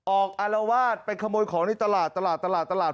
ออกอารวาสเป็นขโมยของในตลาด